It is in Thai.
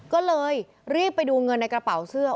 ก็เลยรีบไปดูเงินในกระเป๋าเสื้อ